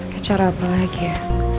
kejar apa lagi ya